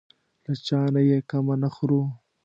له چا نه یې کمه نه خورو.